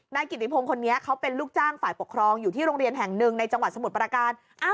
กิติพงศ์คนนี้เขาเป็นลูกจ้างฝ่ายปกครองอยู่ที่โรงเรียนแห่งหนึ่งในจังหวัดสมุทรประการ